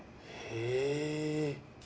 へえ！